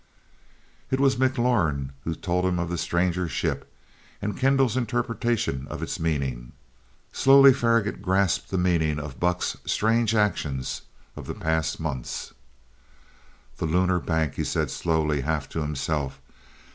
It was McLaurin who told him of the stranger ship, and Kendall's interpretation of its meaning. Slowly Faragaut grasped the meaning behind Buck's strange actions of the past months. "The Lunar Bank," he said slowly, half to himself.